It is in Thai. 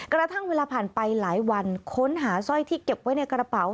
กระทั่งเวลาผ่านไปหลายวันค้นหาสร้อยที่เก็บไว้ในกระเป๋า